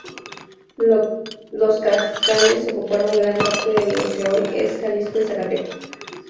Los caxcanes ocuparon gran parte de lo que hoy es Jalisco y Zacatecas.